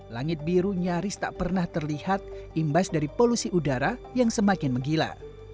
langit biru nyaris tak pernah terlihat imbas dari polusi udara yang semakin menggila